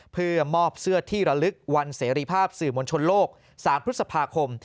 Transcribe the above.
เพื่อมอบเสื้อที่ระลึกวันเสรีภาพสื่อมวลชนโลก๓พฤษภาคม